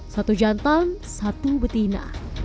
satu jantan satu betina